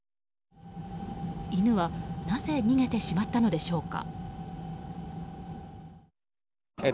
犬はなぜ逃げてしまったのでしょうか。